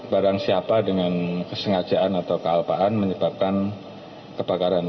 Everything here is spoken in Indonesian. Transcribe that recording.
barang siapa dengan kesengajaan atau kealpaan menyebabkan kebakaran